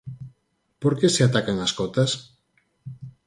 ¿Por que se atacan as cotas?